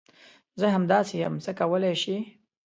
زه همداسي یم ، څه کولی شې ؟